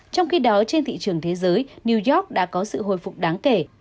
trong khi đó trên thị trường thế giới new york đã có sự hồi phục đáng kể